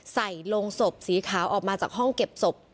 ใส่ลงศพสีขาวออกมาจากห้องเก็บศพ